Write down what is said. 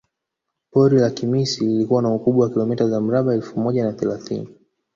Pori la Kimisi likiwa na ukubwa wa kilomita za mraba elfu moja na thelathini